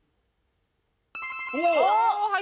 おっ！